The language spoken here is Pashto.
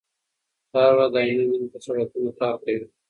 دی هره ورځ د عینومېنې په سړکونو کار کوي.